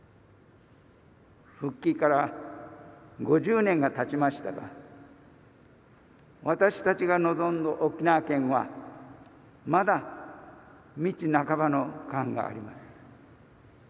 復帰から５０年がたちましたが私たちが望んだ沖縄県はまだ道半ばの感があります。